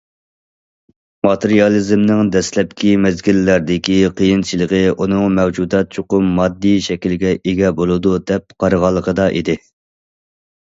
ماتېرىيالىزمنىڭ دەسلەپكى مەزگىللەردىكى قىيىنچىلىقى ئۇنىڭ مەۋجۇدات چوقۇم ماددىي شەكىلگە ئىگە بولىدۇ دەپ قارىغانلىقىدا ئىدى.